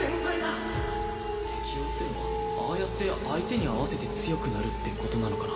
適応ってのはああやって相手に合わせて強くなるって事なのかな？